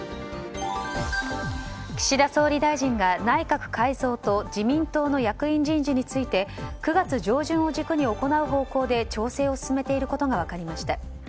岸田総理大臣が内閣改造と自民党の役員人事について９月上旬を軸に行う方向で調整を進めていることが分かりました。